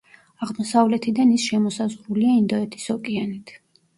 აღმოსავლეთიდან ის შემოსაზღვრულია ინდოეთის ოკეანით.